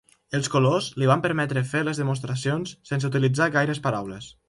Els colors li van permetre fer les demostracions sense utilitzar gaires paraules.